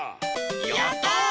やった！